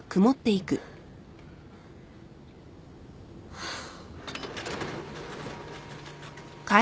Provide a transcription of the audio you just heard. ハァ。